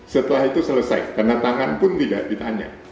setelah itu selesai karena tangan pun tidak ditanya